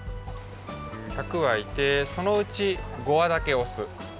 １００わいてそのうち５わだけおす。